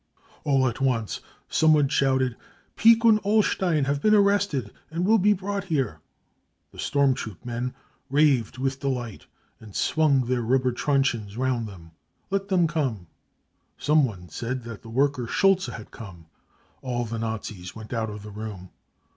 4 4 All at once someone shouted out s Pieck and Ullstein have been arrested and will be brought here ! 5 The storm troop men raved with delight, and swung their rubber truncheons round them. 4 Let them come ! 5 Someone said that the worker Schulze had come. All the Nazis went out of the room.